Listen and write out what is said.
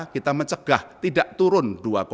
kita mencegah tidak turun dua tiga